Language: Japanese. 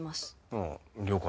ああ了解。